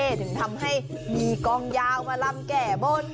ถึงทำให้มีกองยาวมาลำแก่บน